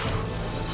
aku mau pergi ke rumah